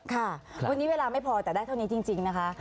ค่ะวันนี้เวลาไม่พอแต่ได้เท่านี้จริงนะคะ